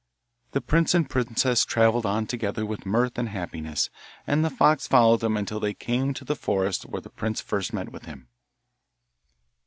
The prince and princess travelled on together with mirth and happiness, and the fox followed them until they came to the forest where the prince first met with him.